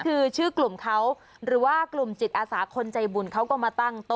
คือชื่อกลุ่มเขาหรือว่ากลุ่มจิตอาสาคนใจบุญเขาก็มาตั้งโต๊